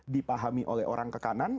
dipahami oleh orang ke kanan